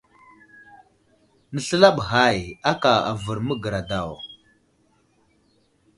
Nəsləlaɓ ghay aka avər magəra daw.